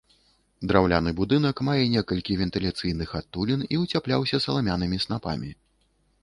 Драўляны будынак мае некалькі вентыляцыйных адтулін і ўцяпляўся саламянымі снапамі.